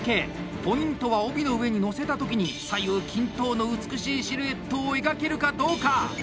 ポイントは帯の上にのせた時に左右均等の美しいシルエットを描けるかどうか。